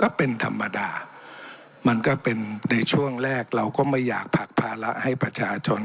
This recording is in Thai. ก็เป็นธรรมดามันก็เป็นในช่วงแรกเราก็ไม่อยากผลักภาระให้ประชาชน